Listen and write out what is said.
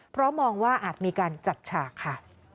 เพราะมองว่าอาจมีการจัดฉากค่ะ